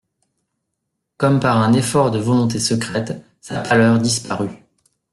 Comme par un effort de volonté secrète, sa pâleur disparut.